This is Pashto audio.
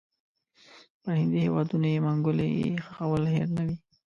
پر هندي هیوادونو یې منګولې ښخول هېر نه وي.